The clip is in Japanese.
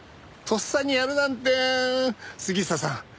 とっさにやるなんて杉下さん